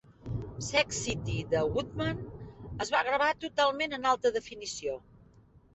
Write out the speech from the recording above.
"Sex City" de Woodman es va gravar totalment en alta definició.